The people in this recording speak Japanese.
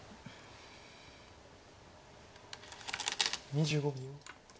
２５秒。